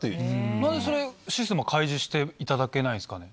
何でそれシステムを開示していただけないんですかね？